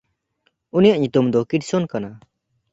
ᱩᱱᱤᱭᱟᱜ ᱧᱩᱛᱩᱢ ᱫᱚ ᱠᱤᱴᱥᱚᱱ ᱠᱟᱱᱟ᱾